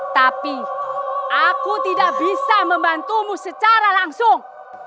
tapi aku tidak bisa membantumu secara langsung